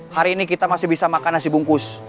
hari ini kita masih bisa makan nasi bungkus